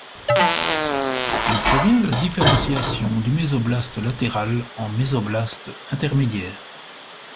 Il provient de la différenciation du mésoblaste latéral en mésoblaste intermédiaire.